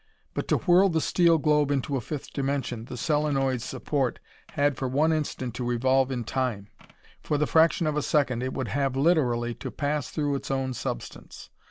But to whirl the steel globe into a fifth dimension, the solenoid's support had for one instant to revolve in time! For the fraction of a second it would have literally to pass through its own substance.